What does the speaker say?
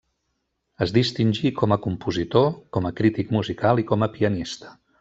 Es distingí com a compositor, com a crític musical i com a pianista.